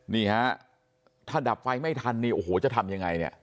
นี่ฮะถ้าดับไฟไม่ทันนี่โอ้โหจะทำยังไงเนี่ย